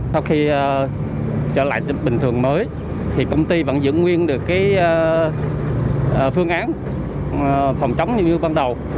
sau khi trở lại tính bình thường mới thì công ty vẫn giữ nguyên được phương án phòng chống như ban đầu